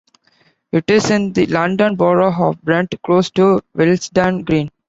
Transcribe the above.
It is in the London Borough of Brent, close to Willesden Green.